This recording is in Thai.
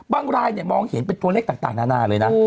บางรายเนี่ยมองเห็นเป็นตัวเล็กต่างหน้าเลยนะ